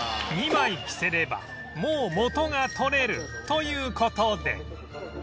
２枚着せればもう元が取れるという事で